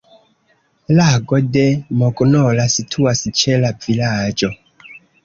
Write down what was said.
Lago de Mognola situas ĉe la vilaĝo.